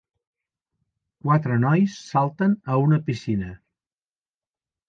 Quatre nois salten a una piscina.